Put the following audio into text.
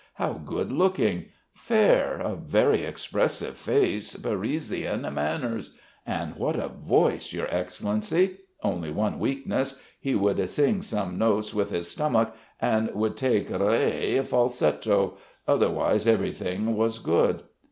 How good looking! Fair ... a very expressive face, Parisian manners.... And what a voice, your Excellency! Only one weakness: he would sing some notes with his stomach and would take re falsetto otherwise everything was good.